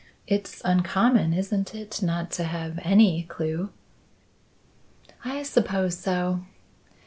It's uncommon, isn't it, not to have any clue?" "I suppose so."